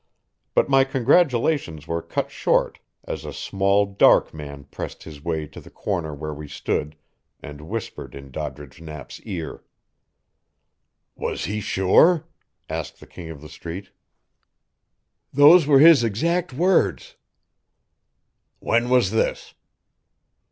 But my congratulations were cut short as a small dark man pressed his way to the corner where we stood, and whispered in Doddridge Knapp's ear. "Was he sure?" asked the King of the Street. "Those were his exact words." "When was this?"